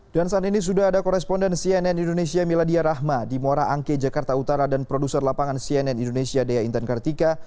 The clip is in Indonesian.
dan saat ini sudah ada koresponden cnn indonesia miladia rahma di muara angke jakarta utara dan produser lapangan cnn indonesia dea intan kartika